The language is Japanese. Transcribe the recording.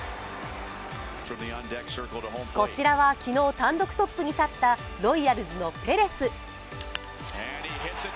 こちらは昨日、単独トップに立ったロイヤルズのペレス。